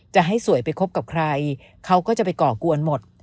จะให้สวยไปคบกับใครเขาก็จะไปก่อกวนหมด